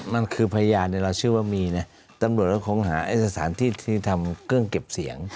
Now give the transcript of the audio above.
มันคือพยานเราเชื่อว่ามีนะตำรวจก็คงหาไอ้สถานที่ที่ทำเครื่องเก็บเสียง